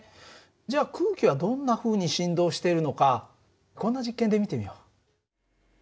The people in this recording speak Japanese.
じゃあ空気はどんなふうに振動しているのかこんな実験で見てみよう。